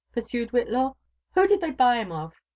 pursued Whitlaw. '* Who did they buy him of?"